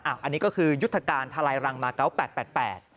อันนี้ก็คือยุทธการทลายรังมาเกาะ๘๘๘